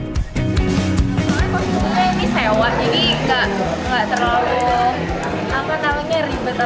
soalnya kostumnya ini sewa jadi tidak terlalu ribet atau bikin atau bagaimana